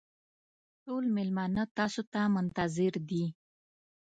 ټول مېلمانه تاسو ته منتظر دي.